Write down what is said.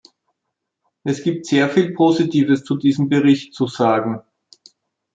Es gibt sehr viel Positives zu diesem Bericht zu sagen.